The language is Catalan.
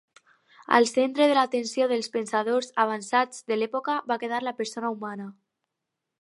Al centre de l'atenció dels pensadors avançats de l'època va quedar la persona humana.